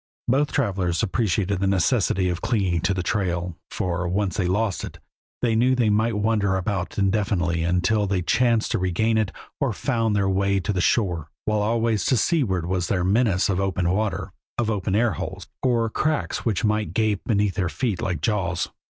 Both travelers appreciated the necessity of clinging to the trail, for, once they lost it, they knew they might wander about indefinitely until they chanced to regain it or found their way to the shore, while always to seaward was the menace of open water, of air holes, or cracks which might gape beneath their feet like jaws.